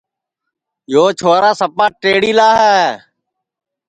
یو چھورا سپا ٹیڑِیلا ہے